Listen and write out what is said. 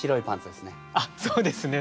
あっそうですね。